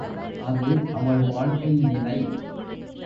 அது அவள் வாழ்க்கை நிலை.